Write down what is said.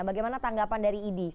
bagaimana tanggapan dari idi